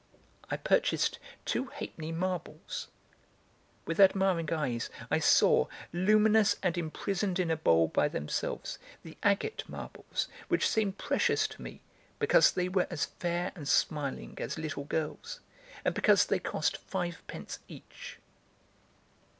I purchased two ha'penny marbles. With admiring eyes I saw, luminous and imprisoned in a bowl by themselves, the agate marbles which seemed precious to me because they were as fair and smiling as little girls, and because they cost five pence each.